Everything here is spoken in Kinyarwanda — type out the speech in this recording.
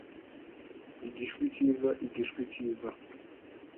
Igishwi cyiza, igishwi cyiza!